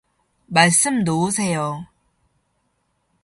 말씀 놓으세요